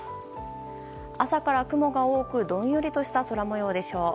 朝から雲が多くどんよりとした空模様でしょう。